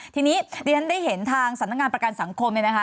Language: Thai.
ทีนี้ดิฉันได้เห็นทางสำนักงานประกันสังคมเนี่ยนะคะ